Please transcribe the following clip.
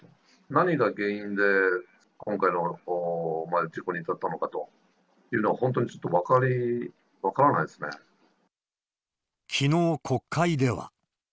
何が原因で、今回のこの事故に至ったのかというのは、きのう、国会では。